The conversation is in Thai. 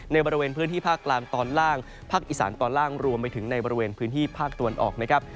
บริเวณพื้นที่ภาคกลางตอนล่างภาคอีสานตอนล่างรวมไปถึงในบริเวณพื้นที่ภาคตะวันออกนะครับ